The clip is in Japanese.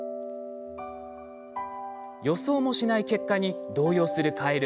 予想もしない結果に動揺するカエル。